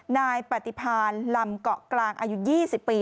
นายปฏิพานลำเกาะกลางอายุ๒๐ปี